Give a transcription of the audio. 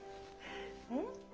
うん？